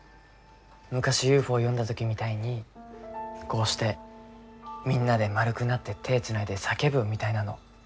昔ＵＦＯ呼んだ時みたいにこうしてみんなで円くなって手つないで叫ぶみたいなの。